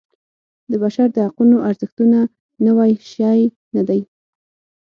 د بشر د حقونو ارزښتونه نوی شی نه دی.